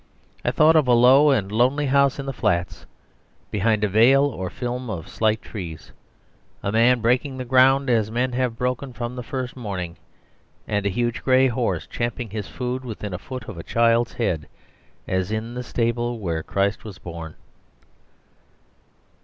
I thought of a low and lonely house in the flats, behind a veil or film of slight trees, a man breaking the ground as men have broken from the first morning, and a huge grey horse champing his food within a foot of a child's head, as in the stable where Christ was born.